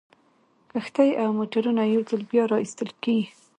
کښتۍ او موټرونه یو ځل بیا را ایستل کیږي